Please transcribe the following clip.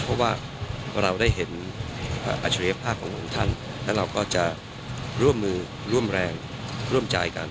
เพราะว่าเราได้เห็นอัจฉริยภาพขององค์ท่านและเราก็จะร่วมมือร่วมแรงร่วมใจกัน